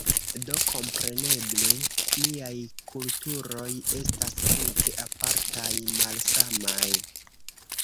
Do, kompreneble niaj kulturoj estas tute apartaj, malsamaj.